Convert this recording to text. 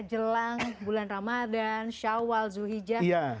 jelang bulan ramadan syawal zulhijjah